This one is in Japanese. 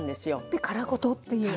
で殻ごとっていう。